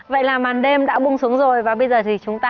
vậy là màn đêm đã bung xuống rồi và bây giờ thì chúng ta